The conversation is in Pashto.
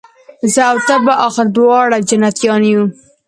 زه او ته به آخر دواړه جنتیان یو